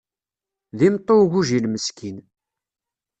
D imeṭṭi n ugujil meskin.